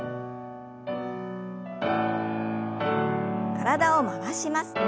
体を回します。